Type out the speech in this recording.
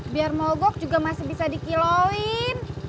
biar mogok juga masih bisa dikilauin